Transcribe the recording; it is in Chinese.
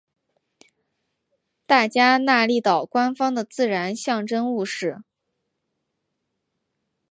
大加那利岛官方的自然象征物是。